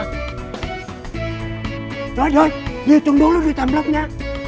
tuan tuan dihitung dulu duit envelope nya